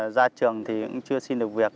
ra trường thì cũng chưa xin được việc